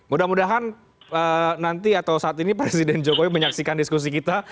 mudah mudahan nanti atau saat ini presiden jokowi menyaksikan diskusi kita